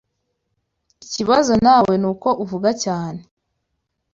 Ikibazo nawe nuko uvuga cyane.